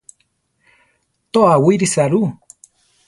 To, awírisa ru.